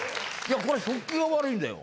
これ食器が悪いんだよ。